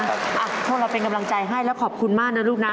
พวกเราเป็นกำลังใจให้แล้วขอบคุณมากนะลูกนะ